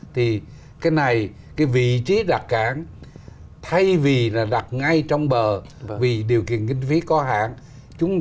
thì cái này cái vị trí đặc cảng thay vì là đặt ngay trong bờ và vì điều kiện kinh phí có hạn